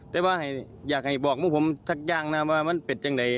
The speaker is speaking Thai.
แต่ว่าให้อยากให้บอกมึงผมสักอย่างนะว่ามันเป็นอย่างไหน